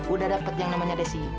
udah dapet yang namanya desi